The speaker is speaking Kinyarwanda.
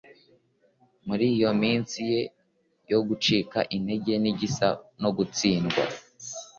muri iyo minsi ye yo gucika intege nigisa no gutsindwa